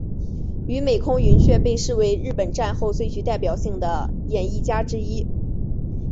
与美空云雀被视为日本战后最具代表性的演艺家之一。